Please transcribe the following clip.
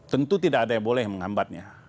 tentu tidak ada yang boleh menghambatnya